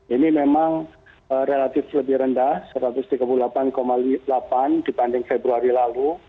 ini memang relatif lebih rendah satu ratus tiga puluh delapan delapan dibanding februari lalu